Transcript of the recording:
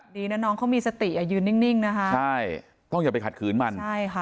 ดีนะน้องเขามีสติอ่ะยืนนิ่งนะคะใช่ต้องอย่าไปขัดขืนมันใช่ค่ะ